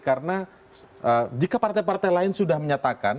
karena jika partai partai lain sudah menyatakan